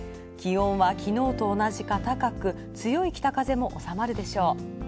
気温は昨日と同じか高く、強い北風もおさまるでしょう。